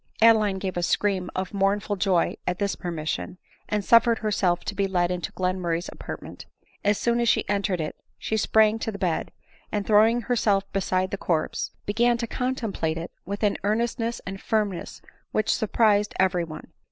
Adeline gave a scream of mournful joy at this permission, and suffered herself to be led into Glenmurray's apartment. As soon as she entered it she sprang to the bed, and, throwing herself beside the corpse, began to contemplate it with an earnestness and firmness which surprised every one.